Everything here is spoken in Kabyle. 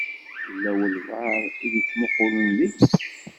Yella walebɛaḍ i d-ittmuqqulen deg-k.